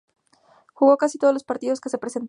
Jugó casi todos los partidos que se presentaban.